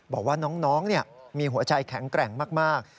บอกว่าน้องมีหัวใจแข็งแกร่งมาก